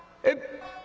「えっ」。